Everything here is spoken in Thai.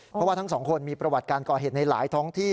เพราะว่าทั้งสองคนมีประวัติการก่อเหตุในหลายท้องที่